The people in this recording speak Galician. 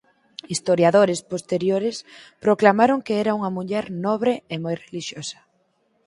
Historiadores posteriores proclamaron que era unha muller nobre e moi relixiosa.